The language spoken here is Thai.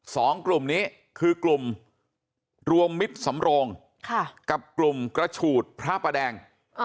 สองกลุ่มนี้คือกลุ่มรวมมิตรสำโรงกับกลุ่มกระฉูดพระประแดง